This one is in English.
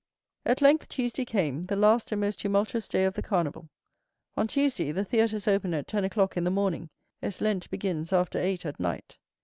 At length Tuesday came, the last and most tumultuous day of the Carnival. On Tuesday, the theatres open at ten o'clock in the morning, as Lent begins after eight at night.